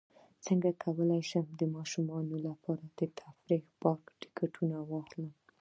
څنګه کولی شم د ماشومانو لپاره د تفریحي پارک ټکټونه واخلم